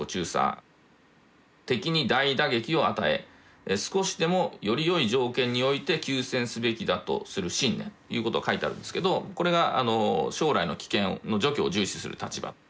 「敵に大打撃を与え少しでもよりよい条件において休戦すべきだとする信念」ということが書いてあるんですけどこれが「将来の危険の除去」を重視する立場。